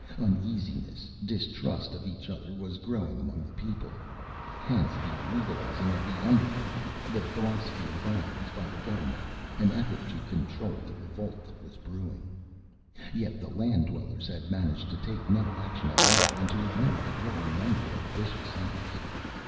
Uneasiness, distrust of each other was growing among the people. Hence the legalizing of the Underground, the Philosophy of Violence by the government, an effort to control the revolt that was brewing. Yet, the Land dwellers had managed to take no action at all and to ignore the growing number of vicious acts.